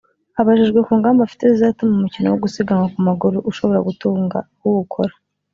Abajijwe ku ngamba afite zizatuma umukino wo gusiganwa ku maguru ushobora gutunga uwukora